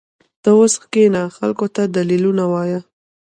ته اوس کښېنه خلقو ته دليلونه ووايه.